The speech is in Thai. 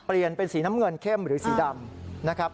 เปลี่ยนเป็นสีน้ำเงินเข้มหรือสีดำนะครับ